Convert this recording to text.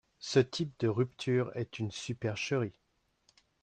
Ce type de rupture est une supercherie.